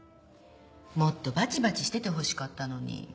もっとバチバチしててほしかったのに。